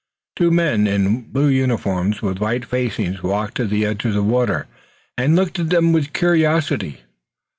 Two men in blue uniforms with white facings walked to the edge of the water and looked at them with curiosity.